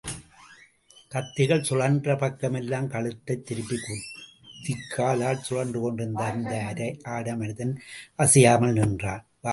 கத்திகள் சுழன்ற பக்கமெல்லாம் கழுத்தைத் திருப்பிக் குதிகாலால் சுழன்றுகொண்டிருந்த அந்த அரை ஆடை மனிதன், அசையாமல் நின்றான்.